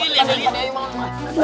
ini lihat dari mana